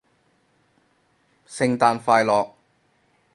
聖誕快樂